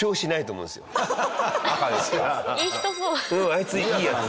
あいついいヤツ。